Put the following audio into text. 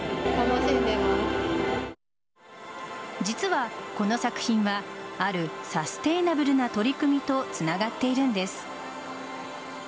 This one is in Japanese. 実はこの作品はあるサステイナブルな取り組みとつながっているんです。